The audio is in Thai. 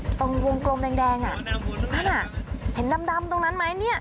ตรงวงกลมแดงอ่ะนั่นอ่ะเห็นดำตรงนั้นไหมเนี่ย